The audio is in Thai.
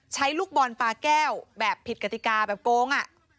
ลูกบอลปลาแก้วแบบผิดกติกาแบบโกง